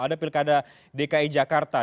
ada pilkada dki jakarta